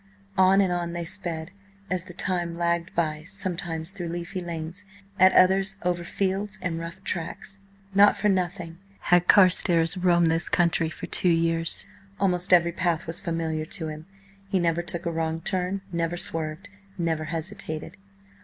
On and on they sped, as the time lagged by, sometimes through leafy lanes, at others over fields and rough tracks. Not for nothing had Carstares roamed this country for two years; almost every path was familiar to him; he never took a wrong turn, never swerved, never hesitated.